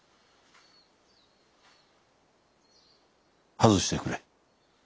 外してくれ。